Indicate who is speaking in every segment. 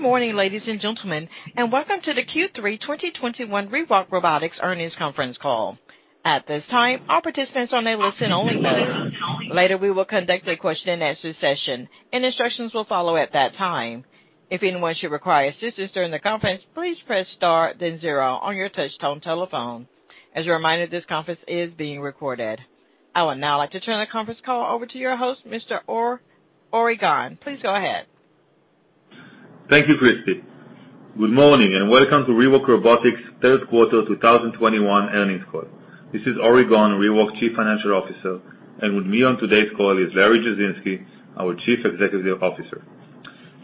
Speaker 1: Good morning, ladies and gentlemen, and welcome to the Q3 2021 ReWalk Robotics Earnings Conference Call. At this time, all participants are in a listen only mode. Later, we will conduct a question and answer session, and instructions will follow at that time. If anyone should require assistance during the conference, please press star then zero on your touchtone telephone. As a reminder, this conference is being recorded. I would now like to turn the conference call over to your host, Mr. Ori Gon. Please go ahead.
Speaker 2: Thank you, Christy. Good morning and welcome to ReWalk Robotics third quarter 2021 earnings call. This is Ori Gon, ReWalk Chief Financial Officer, and with me on today's call is Larry Jasinski, our Chief Executive Officer.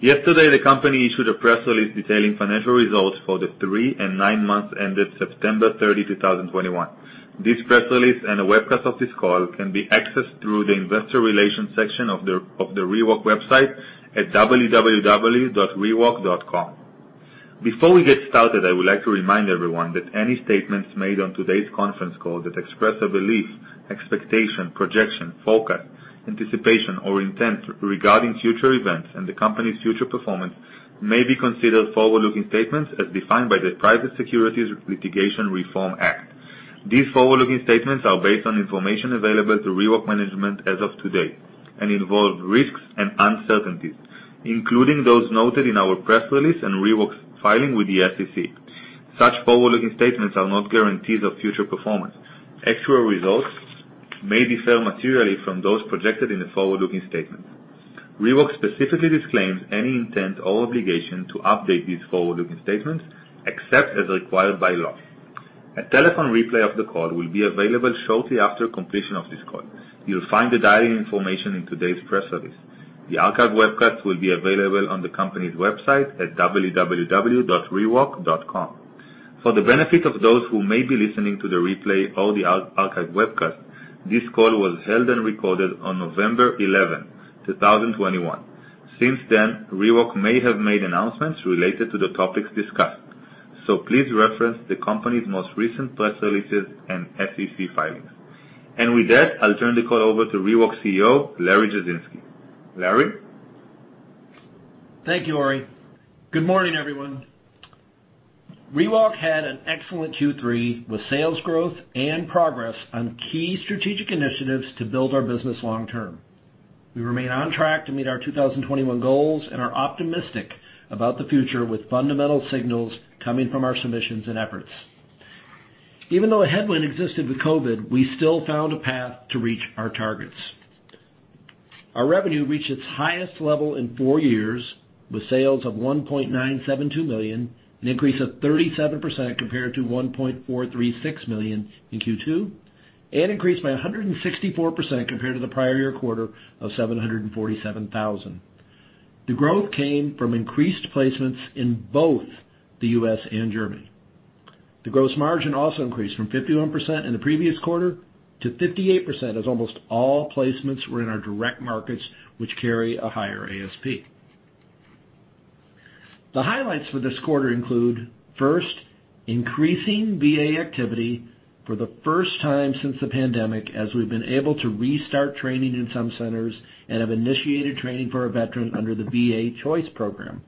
Speaker 2: Yesterday, the company issued a press release detailing financial results for the three and nine months ended September 30, 2021. This press release and a webcast of this call can be accessed through the Investor Relations section of the ReWalk website at www.rewalk.com. Before we get started, I would like to remind everyone that any statements made on today's conference call that express a belief, expectation, projection, forecast, anticipation, or intent regarding future events and the company's future performance may be considered forward-looking statements as defined by the Private Securities Litigation Reform Act. These forward-looking statements are based on information available to ReWalk management as of today and involve risks and uncertainties, including those noted in our press release and ReWalk's filing with the SEC. Such forward-looking statements are not guarantees of future performance. Actual results may differ materially from those projected in the forward-looking statement. ReWalk specifically disclaims any intent or obligation to update these forward-looking statements, except as required by law. A telephone replay of the call will be available shortly after completion of this call. You'll find the dialing information in today's press release. The archived webcast will be available on the company's website at www.rewalk.com. For the benefit of those who may be listening to the replay or the archived webcast, this call was held and recorded on November 11, 2021. Since then, ReWalk may have made announcements related to the topics discussed. Please reference the company's most recent press releases and SEC filings. With that, I'll turn the call over to ReWalk CEO, Larry Jasinski. Larry?
Speaker 3: Thank you, Ori. Good morning, everyone. ReWalk had an excellent Q3 with sales growth and progress on key strategic initiatives to build our business long term. We remain on track to meet our 2021 goals and are optimistic about the future with fundamental signals coming from our submissions and efforts. Even though a headwind existed with COVID, we still found a path to reach our targets. Our revenue reached its highest level in four years with sales of $1.972 million, an increase of 37% compared to $1.436 million in Q2, and increased by 164% compared to the prior year quarter of $747,000. The growth came from increased placements in both the U.S. and Germany. The gross margin also increased from 51% in the previous quarter to 58% as almost all placements were in our direct markets, which carry a higher ASP. The highlights for this quarter include, first, increasing VA activity for the first time since the pandemic, as we've been able to restart training in some centers and have initiated training for our veteran under the VA Choice Program,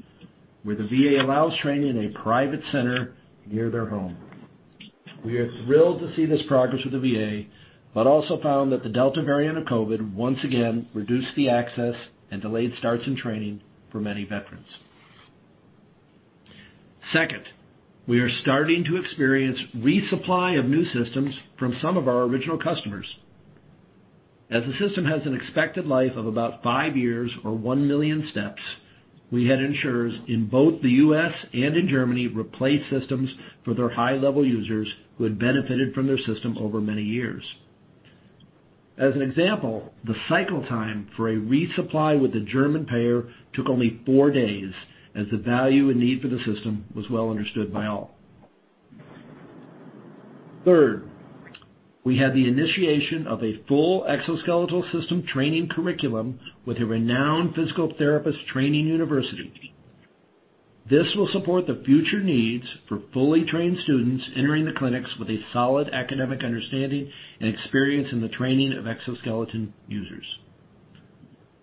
Speaker 3: where the VA allows training in a private center near their home. We are thrilled to see this progress with the VA, but also found that the Delta variant of COVID once again reduced the access and delayed starts in training for many veterans. Second, we are starting to experience resupply of new systems from some of our original customers. As the system has an expected life of about five years or 1 million steps, we had insurers in both the U.S. and in Germany replace systems for their high-level users who had benefited from their system over many years. As an example, the cycle time for a resupply with a German payer took only four days as the value and need for the system was well understood by all. Third, we had the initiation of a full exoskeletal system training curriculum with a renowned physical therapist training university. This will support the future needs for fully trained students entering the clinics with a solid academic understanding and experience in the training of exoskeleton users.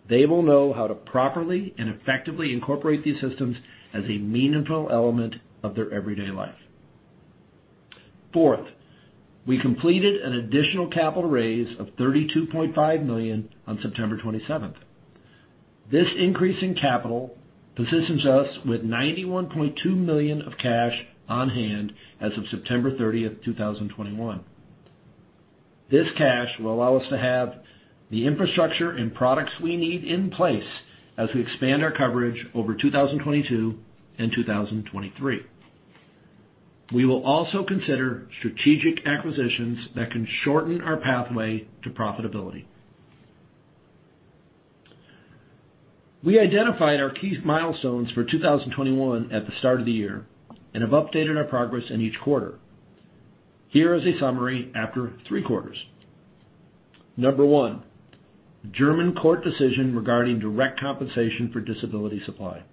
Speaker 3: They will know how to properly and effectively incorporate these systems as a meaningful element of their everyday life. Fourth, we completed an additional capital raise of $32.5 million on September 27th. This increase in capital positions us with $91.2 million of cash on hand as of September 30th, 2021. This cash will allow us to have the infrastructure and products we need in place as we expand our coverage over 2022 and 2023. We will also consider strategic acquisitions that can shorten our pathway to profitability. We identified our key milestones for 2021 at the start of the year and have updated our progress in each quarter. Here is a summary after three quarters. Number one, German court decision regarding direct compensation for disability supply.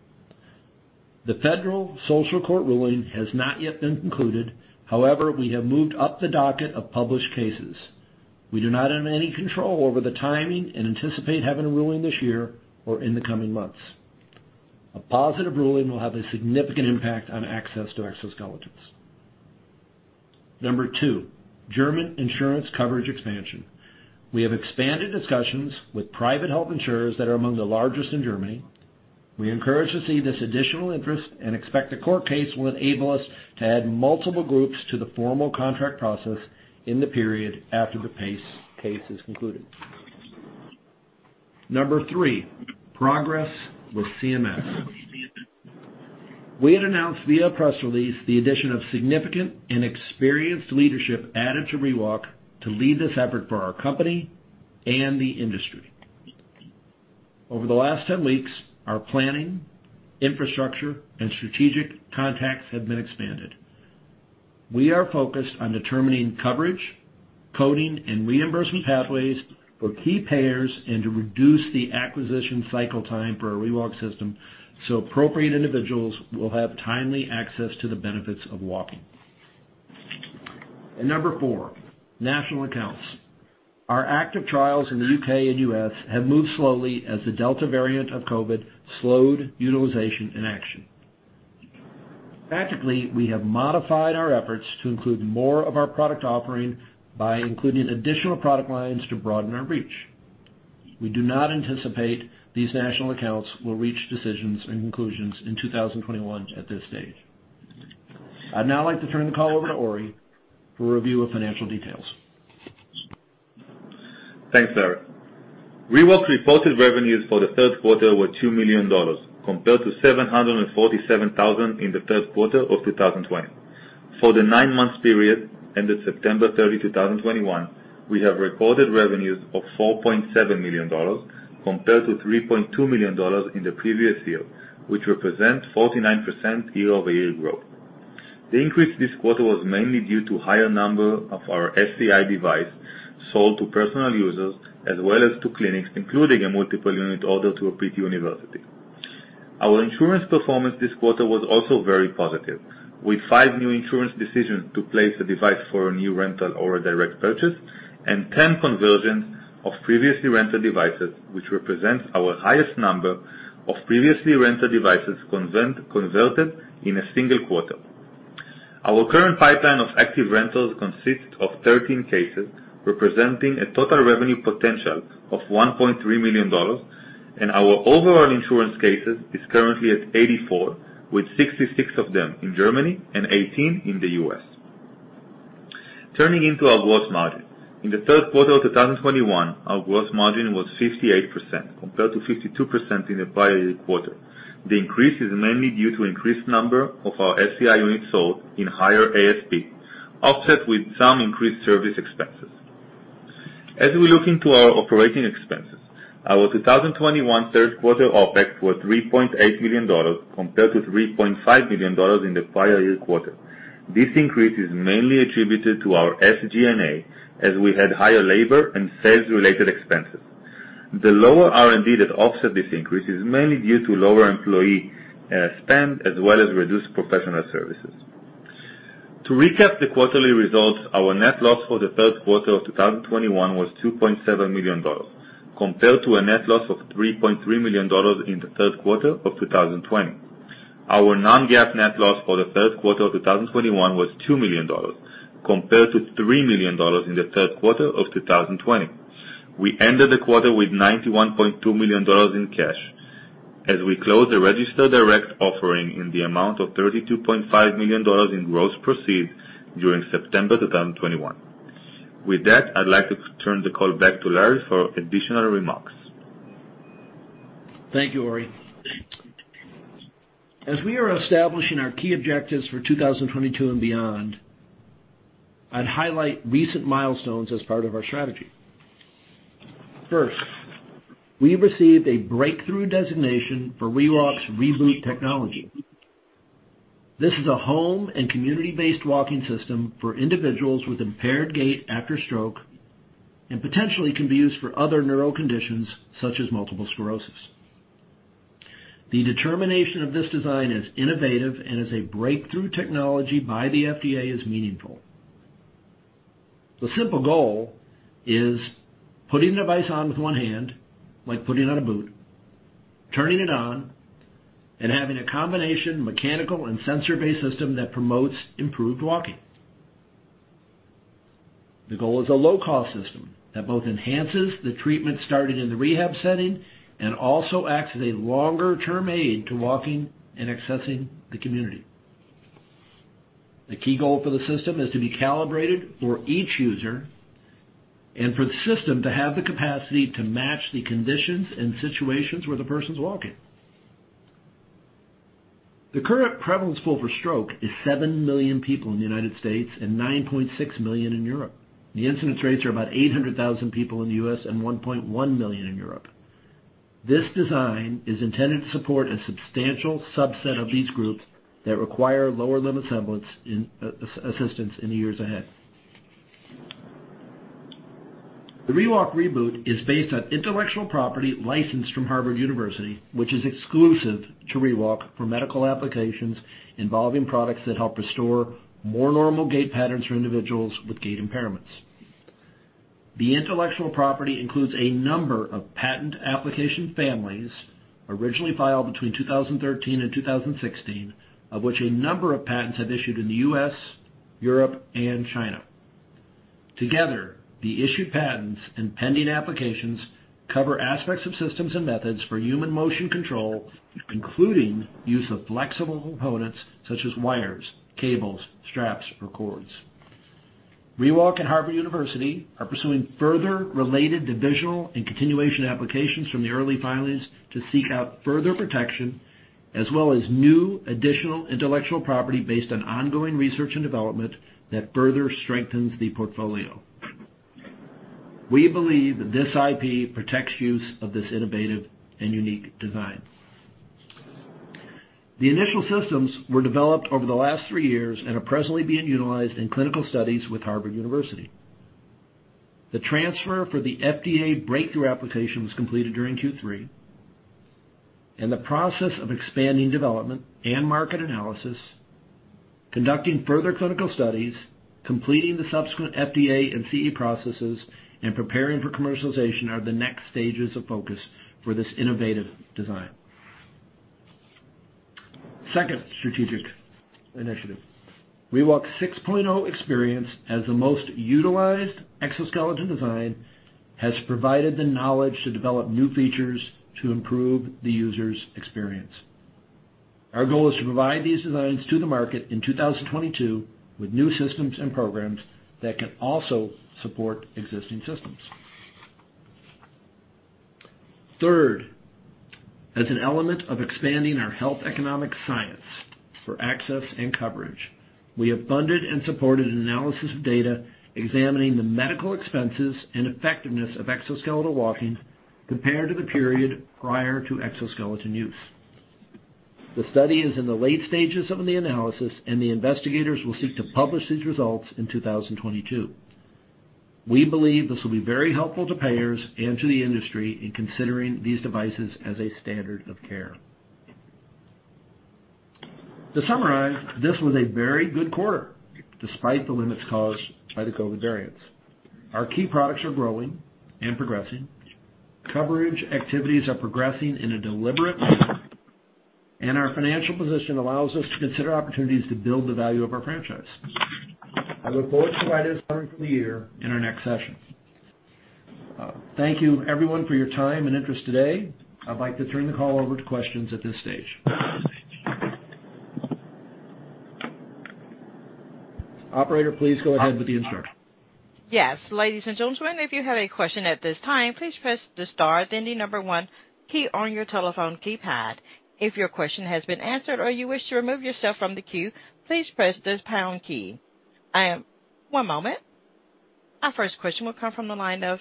Speaker 3: The Federal Social Court ruling has not yet been concluded. However, we have moved up the docket of published cases. We do not have any control over the timing and anticipate having a ruling this year or in the coming months. A positive ruling will have a significant impact on access to exoskeletons. Number two, German insurance coverage expansion. We have expanded discussions with private health insurers that are among the largest in Germany. We are encouraged to see this additional interest and expect the court case will enable us to add multiple groups to the formal contract process in the period after the case is concluded. Number three, progress with CMS. We had announced via press release the addition of significant and experienced leadership added to ReWalk to lead this effort for our company and the industry. Over the last 10 weeks, our planning, infrastructure, and strategic contacts have been expanded. We are focused on determining coverage, coding, and reimbursement pathways for key payers and to reduce the acquisition cycle time for our ReWalk system so appropriate individuals will have timely access to the benefits of walking. Number four, national accounts. Our active trials in the U.K. and U.S. have moved slowly as the Delta variant of COVID slowed utilization and action. Tactically, we have modified our efforts to include more of our product offering by including additional product lines to broaden our reach. We do not anticipate these national accounts will reach decisions and conclusions in 2021 at this stage. I'd now like to turn the call over to Ori for a review of financial details.
Speaker 2: Thanks, Larry. ReWalk's reported revenues for the third quarter were $2 million compared to $747,000 in the third quarter of 2020. For the nine-month period ended September 30, 2021, we have recorded revenues of $4.7 million compared to $3.2 million in the previous year, which represents 49% year-over-year growth. The increase this quarter was mainly due to higher number of our SCI device sold to personal users as well as to clinics, including a multiple unit order to a PT university. Our insurance performance this quarter was also very positive, with five new insurance decisions to place a device for a new rental or a direct purchase, and 10 conversions of previously rented devices, which represents our highest number of previously rented devices converted in a single quarter. Our current pipeline of active rentals consists of 13 cases, representing a total revenue potential of $1.3 million, and our overall insurance cases is currently at 84, with 66 of them in Germany and 18 in the U.S. Turning to our gross margin. In the third quarter of 2021, our gross margin was 58%, compared to 52% in the prior year quarter. The increase is mainly due to increased number of our SCI units sold in higher ASP, offset with some increased service expenses. As we look into our operating expenses, our 2021 third quarter OpEx was $3.8 million, compared to $3.5 million in the prior year quarter. This increase is mainly attributed to our SG&A, as we had higher labor and sales-related expenses. The lower R&D that offset this increase is mainly due to lower employee spend as well as reduced professional services. To recap the quarterly results, our net loss for the third quarter of 2021 was $2.7 million, compared to a net loss of $3.3 million in the third quarter of 2020. Our non-GAAP net loss for the third quarter of 2021 was $2 million, compared to $3 million in the third quarter of 2020. We ended the quarter with $91.2 million in cash as we closed a registered direct offering in the amount of $32.5 million in gross proceeds during September 2021. With that, I'd like to turn the call back to Larry for additional remarks.
Speaker 3: Thank you, Ori. As we are establishing our key objectives for 2022 and beyond, I'd highlight recent milestones as part of our strategy. First, we received a breakthrough designation for ReWalk's ReBoot technology. This is a home and community-based walking system for individuals with impaired gait after stroke, and potentially can be used for other neural conditions such as multiple sclerosis. The determination of this device as innovative and as a breakthrough technology by the FDA is meaningful. The simple goal is putting the device on with one hand, like putting on a boot, turning it on, and having a combination mechanical and sensor-based system that promotes improved walking. The goal is a low-cost system that both enhances the treatment started in the rehab setting and also acts as a longer-term aid to walking and accessing the community. The key goal for the system is to be calibrated for each user and for the system to have the capacity to match the conditions and situations where the person's walking. The current prevalence pool for stroke is seven million people in the United States and 9.6 million in Europe. The incidence rates are about 800,000 people in the U.S. and 1.1 million in Europe. This design is intended to support a substantial subset of these groups that require lower limb assistance in the years ahead. The ReWalk ReBoot is based on intellectual property licensed from Harvard University, which is exclusive to ReWalk for medical applications involving products that help restore more normal gait patterns for individuals with gait impairments. The intellectual property includes a number of patent application families originally filed between 2013 and 2016, of which a number of patents have issued in the U.S., Europe, and China. Together, the issued patents and pending applications cover aspects of systems and methods for human motion control, including use of flexible components such as wires, cables, straps, or cords. ReWalk and Harvard University are pursuing further related divisional and continuation applications from the early filings to seek out further protection, as well as new additional intellectual property based on ongoing research and development that further strengthens the portfolio. We believe that this IP protects use of this innovative and unique design. The initial systems were developed over the last three years and are presently being utilized in clinical studies with Harvard University. The transfer for the FDA breakthrough application was completed during Q3, and the process of expanding development and market analysis, conducting further clinical studies, completing the subsequent FDA and CE processes, and preparing for commercialization are the next stages of focus for this innovative design. Second strategic initiative. The ReWalk 6.0 experience as the most utilized exoskeleton design has provided the knowledge to develop new features to improve the user's experience. Our goal is to provide these designs to the market in 2022 with new systems and programs that can also support existing systems. Third, as an element of expanding our health economic science for access and coverage, we have funded and supported an analysis of data examining the medical expenses and effectiveness of exoskeletal walking compared to the period prior to exoskeleton use. The study is in the late stages of the analysis, and the investigators will seek to publish these results in 2022. We believe this will be very helpful to payers and to the industry in considering these devices as a standard of care. To summarize, this was a very good quarter despite the limits caused by the COVID variants. Our key products are growing and progressing. Coverage activities are progressing in a deliberate way, and our financial position allows us to consider opportunities to build the value of our franchise. I look forward to providing summary for the year in our next session. Thank you everyone for your time and interest today. I'd like to turn the call over to questions at this stage. Operator, please go ahead with the instructions.
Speaker 1: Yes. Ladies and gentlemen, if you have a question at this time, please press the star then the one key on your telephone keypad. If your question has been answered or you wish to remove yourself from the queue, please press the pound key. Our first question will come from the line of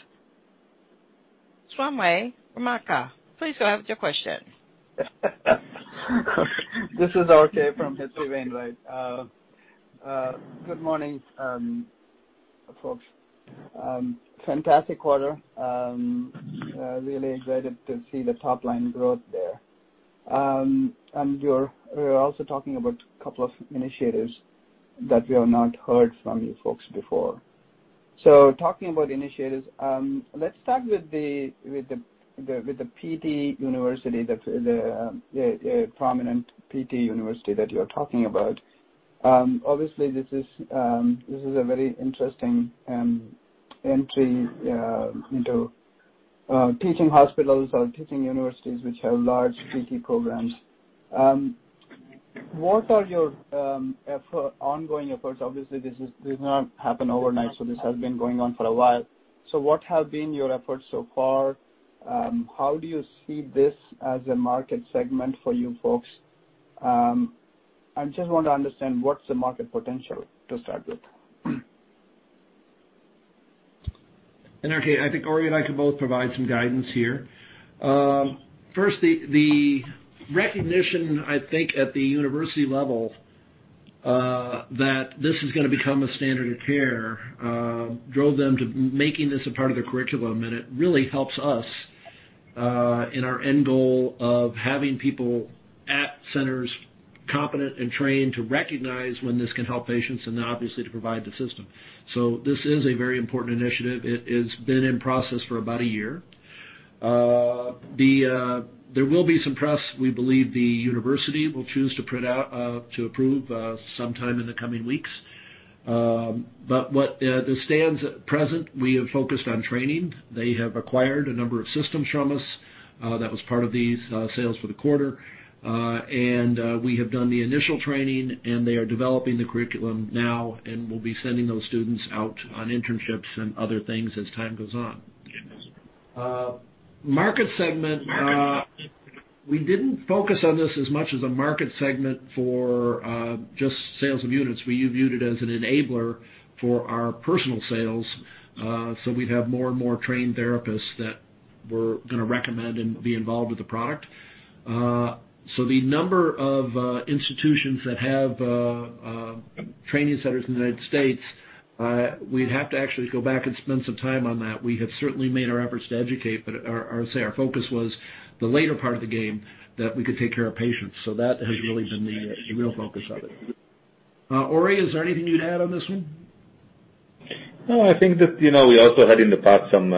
Speaker 1: Swayampakula Ramakanth. Please go ahead with your question.
Speaker 4: This is RK from H.C. Wainwright. Good morning, folks. Fantastic quarter. Really excited to see the top-line growth there. You're also talking about a couple of initiatives that we have not heard from you folks before. Talking about initiatives, let's start with the PT university, the prominent PT university that you're talking about. Obviously this is a very interesting entry into teaching hospitals or teaching universities which have large PT programs. What are your ongoing efforts? Obviously, this did not happen overnight, so this has been going on for a while. What have been your efforts so far? How do you see this as a market segment for you folks? I just want to understand what's the market potential to start with.
Speaker 3: RK, I think Ori and I can both provide some guidance here. First, the recognition, I think, at the university level, that this is gonna become a standard of care, drove them to making this a part of their curriculum. It really helps us in our end goal of having people at centers competent and trained to recognize when this can help patients and then obviously to provide the system. This is a very important initiative. It has been in process for about a year. There will be some press we believe the university will choose to put out to approve sometime in the coming weeks. But as it stands at present, we have focused on training. They have acquired a number of systems from us that was part of these sales for the quarter. We have done the initial training, and they are developing the curriculum now and will be sending those students out on internships and other things as time goes on. We didn't focus on this as much. As a market segment for just sales of units, we viewed it as an enabler for our personal sales, so we'd have more and more trained therapists we're gonna recommend and be involved with the product. The number of institutions that have training centers in the United States, we'd have to actually go back and spend some time on that. We have certainly made our efforts to educate, but our, I would say our focus was the later part of the game that we could take care of patients. That has really been the real focus of it. Ori, is there anything you'd add on this one?
Speaker 2: No, I think that, you know, we also had in the past some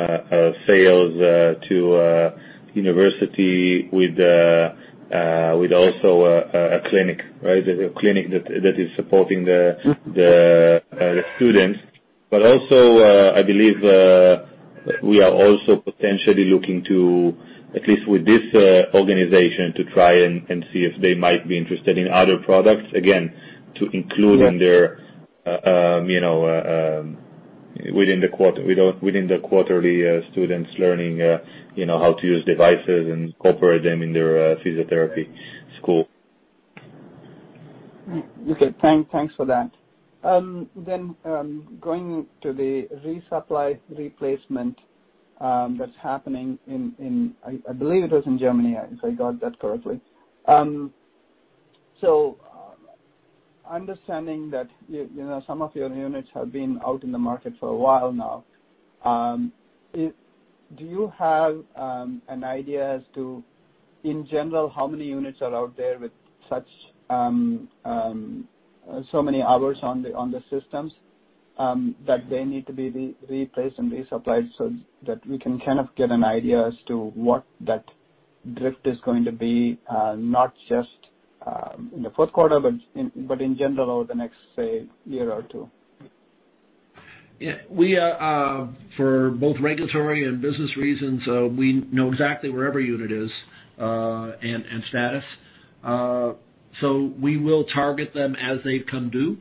Speaker 2: sales to university with also a clinic, right? A clinic that is supporting the students.
Speaker 3: Mm-hmm.
Speaker 2: Also, I believe we are also potentially looking to, at least with this organization, to try and see if they might be interested in other products, again, to include-
Speaker 3: Right....
Speaker 2: in their, you know, within the quarter, our students learning, you know, how to use devices and operate them in their physiotherapy school.
Speaker 4: Okay. Thanks for that. Going to the resupply replacement, that's happening in Germany, if I got that correctly. Understanding that, you know, some of your units have been out in the market for a while now, do you have an idea as to, in general, how many units are out there with such so many hours on the systems that they need to be replaced and resupplied so that we can kind of get an idea as to what that drift is going to be, not just in the fourth quarter, but in general over the next, say, year or two?
Speaker 3: Yeah. We for both regulatory and business reasons, we know exactly where every unit is, and status. We will target them as they come due.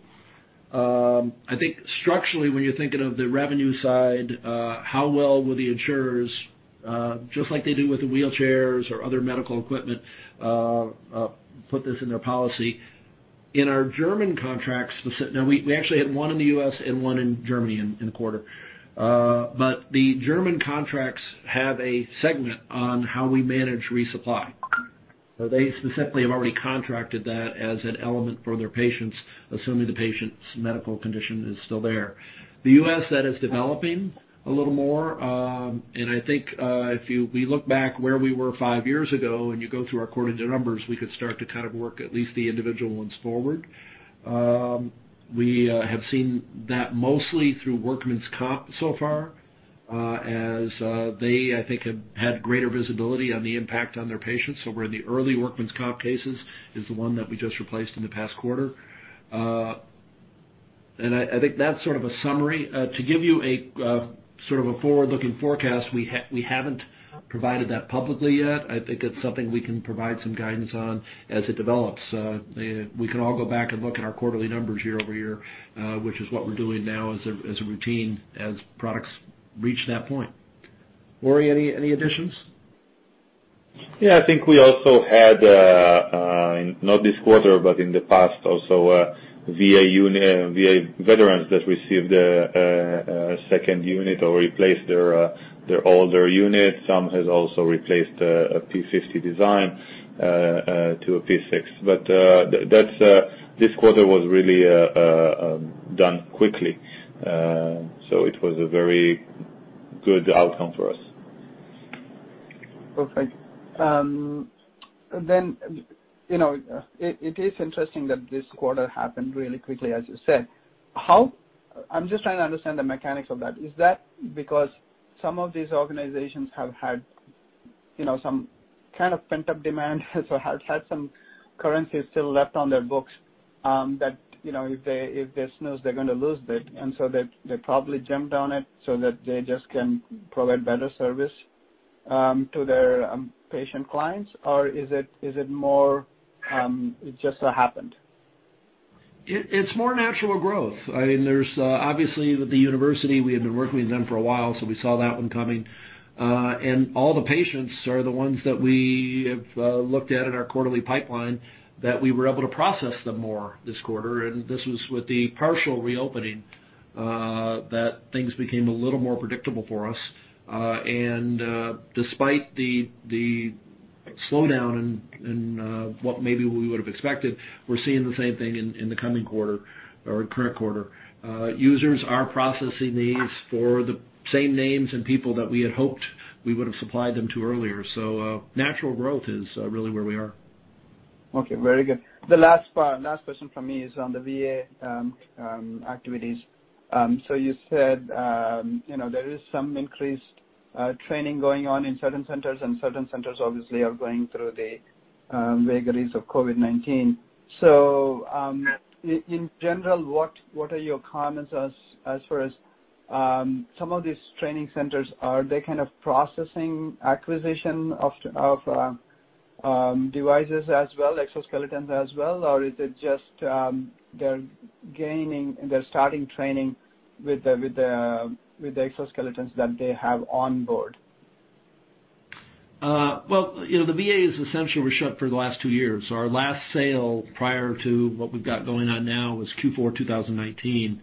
Speaker 3: I think structurally, when you're thinking of the revenue side, how well will the insurers, just like they do with the wheelchairs or other medical equipment, put this in their policy. In our German contracts, now we actually had one in the U.S. and one in Germany in the quarter. The German contracts have a segment on how we manage resupply. They specifically have already contracted that as an element for their patients, assuming the patient's medical condition is still there. The U.S., that is developing a little more. I think we look back where we were five years ago and you go through our quarterly numbers, we could start to kind of work at least the individual ones forward. We have seen that mostly through workmen's comp so far, as they, I think, have had greater visibility on the impact on their patients over the early workmen's comp cases is the one that we just replaced in the past quarter. I think that's sort of a summary. To give you a sort of a forward-looking forecast, we haven't provided that publicly yet. I think it's something we can provide some guidance on as it develops. We can all go back and look at our quarterly numbers year-over-year, which is what we're doing now as a routine as products reach that point. Ori, any additions?
Speaker 2: Yeah. I think we also had not this quarter, but in the past also, VA veterans that received a second unit or replaced their older unit. Some has also replaced a P60 design to a P6. But this quarter was really done quickly. So it was a very good outcome for us.
Speaker 4: Okay, you know, it is interesting that this quarter happened really quickly, as you said. I'm just trying to understand the mechanics of that. Is that because some of these organizations have had, you know, some kind of pent-up demand or have had some currency still left on their books, that, you know, if they snooze, they're gonna lose it, and so they probably jumped on it so that they just can provide better service to their patient clients? Is it more, it just so happened?
Speaker 3: It's more natural growth. I mean, there's obviously with the university, we had been working with them for a while, so we saw that one coming. All the patients are the ones that we have looked at in our quarterly pipeline that we were able to process them more this quarter. This was with the partial reopening that things became a little more predictable for us. Despite the slowdown in what maybe we would have expected, we're seeing the same thing in the coming quarter or current quarter. Users are processing these for the same names and people that we had hoped we would have supplied them to earlier. Natural growth is really where we are.
Speaker 4: Okay, very good. The last part, last question from me is on the VA activities. So you said, you know, there is some increased training going on in certain centers, and certain centers obviously are going through the vagaries of COVID-19. In general, what are your comments as far as some of these training centers? Are they kind of processing acquisition of devices as well, exoskeletons as well, or is it just they're starting training with the exoskeletons that they have on board?
Speaker 3: Well, you know, the VA was essentially shut for the last two years. Our last sale prior to what we've got going on now was Q4 2019.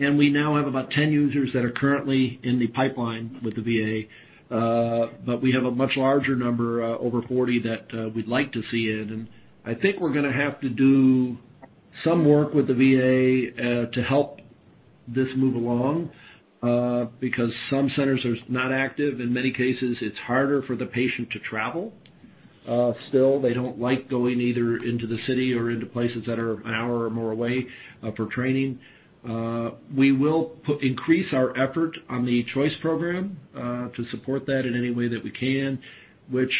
Speaker 3: We now have about 10 users that are currently in the pipeline with the VA, but we have a much larger number, over 40, that we'd like to see in. I think we're gonna have to do some work with the VA to help this move along, because some centers are not active. In many cases, it's harder for the patient to travel. Still, they don't like going either into the city or into places that are an hour or more away, for training. We will increase our effort on the Choice Program to support that in any way that we can, which,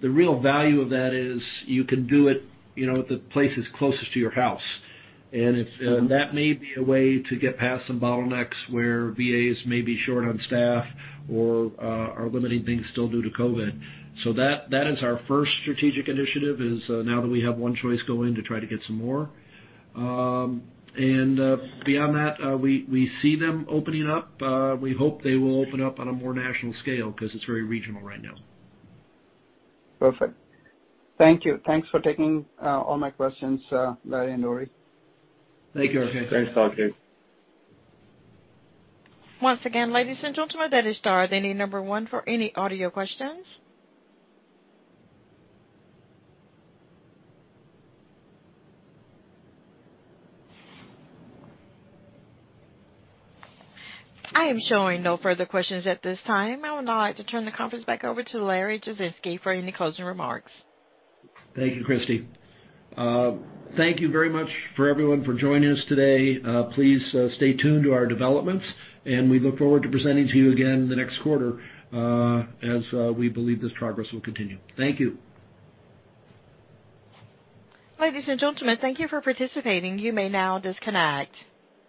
Speaker 3: the real value of that is you can do it, you know, at the places closest to your house. If that may be a way to get past some bottlenecks where VAs may be short on staff or are limiting things still due to COVID. That is our first strategic initiative, now that we have one choice going to try to get some more. Beyond that, we see them opening up. We hope they will open up on a more national scale because it's very regional right now.
Speaker 4: Perfect. Thank you. Thanks for taking all my questions, Larry and Ori.
Speaker 3: Thank you.
Speaker 2: Thanks, RK.
Speaker 1: Once again, ladies and gentlemen, that is star one for any audio questions. I am showing no further questions at this time. I would now like to turn the conference back over to Larry Jasinski for any closing remarks.
Speaker 3: Thank you, Christy. Thank you very much to everyone for joining us today. Please stay tuned to our developments, and we look forward to presenting to you again the next quarter, as we believe this progress will continue. Thank you.
Speaker 1: Ladies and gentlemen, thank you for participating. You may now disconnect.